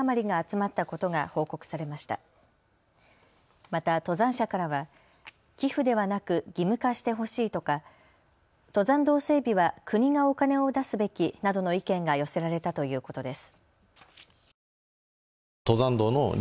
また登山者からは寄付ではなく義務化してほしいとか登山道整備は国がお金を出すべきなどの意見が寄せられたということです。